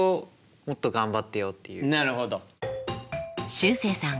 しゅうせいさん